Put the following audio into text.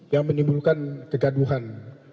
yang menimbulkan kegaduhan